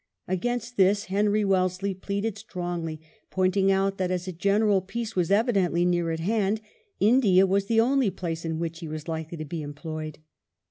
Against this Henry Wellesley pleaded strongly, pointing out that as a general peace was evidently near at hand, India was the only place in which he was likely to be employed.